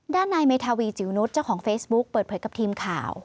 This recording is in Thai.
ด้านนายเมธาวีจิ๋วนุษย์เจ้าของเฟซบุ๊คเปิดเผยกับทีมข่าว